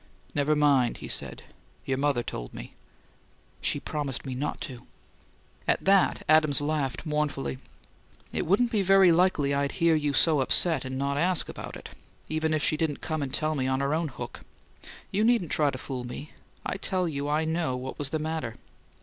"Never mind," he said. "Your mother told me." "She promised me not to!" At that Adams laughed mournfully. "It wouldn't be very likely I'd hear you so upset and not ask about it, even if she didn't come and tell me on her own hook. You needn't try to fool me; I tell you I know what was the matter."